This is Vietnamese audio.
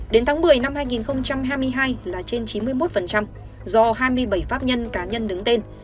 đến tháng một mươi năm hai nghìn hai mươi hai là trên chín mươi một do hai mươi bảy pháp nhân cá nhân đứng tên